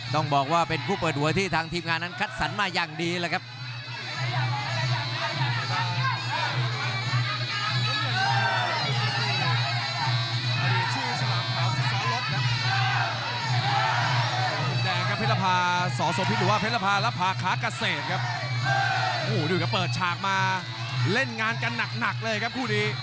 ต้องบอกว่าเป็นผู้เปิดหัวที่ทางทีมงานนั้นคัดสรรมาอย่างดีเลยครับ